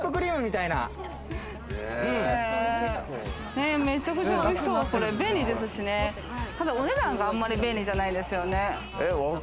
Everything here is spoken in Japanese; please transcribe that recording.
ただ、お値段が便利じゃないですよね。